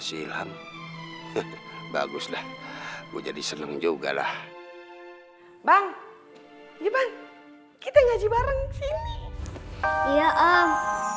si ilham bagus dah gue jadi seneng juga lah bang yuk bang kita ngaji bareng sini iya om